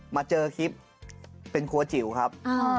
มาเจอคลิปเป็นครัวจิ๋วครับ